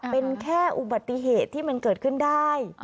เป็นแค่อุบัติเหตุที่มันเกิดขึ้นได้